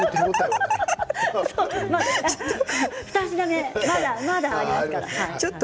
２品目まだありますから。